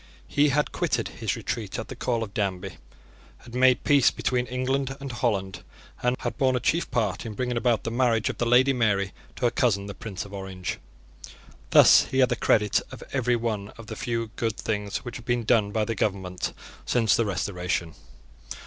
He had quitted his retreat at the call of Danby, had made peace between England and Holland, and had borne a chief part in bringing about the marriage of the Lady Mary to her cousin the Prince of Orange. Thus he had the credit of every one of the few good things which had been done by the government since the Restoration.